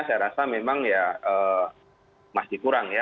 saya rasa memang ya masih kurang ya